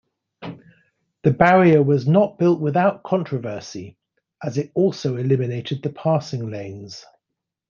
The barrier was not built without controversy, as it also eliminated the passing lanes.